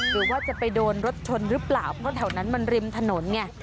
หรือว่าจะไปโดนรถชนหรือเปล่าเพราะแถวนั้นมันริมถนนไง